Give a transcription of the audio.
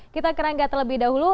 kita kerangga terlebih dahulu